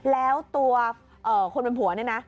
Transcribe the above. แล้วตัวคนเป็นผัวเนี่ยนะ